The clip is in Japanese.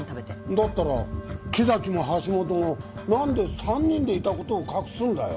だったら木崎も橋下もなんで３人でいた事を隠すんだよ？